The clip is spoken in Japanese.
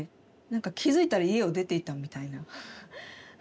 何か気付いたら家を出ていたみたいな。